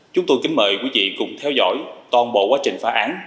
chúng tôi kính mời quý vị cùng theo dõi toàn bộ quá trình phá án